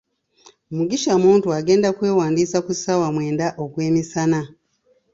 Mugisha Muntu agenda kwewandiisa ku ssaawa mwenda ogwemisana.